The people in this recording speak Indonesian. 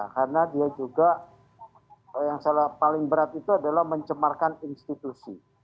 karena dia juga yang paling berat itu adalah mencemarkan institusi